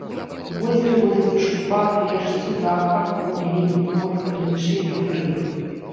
У возеры водзяцца шчупак, лешч, судак, акунь, лінь, плотка і іншыя віды рыб.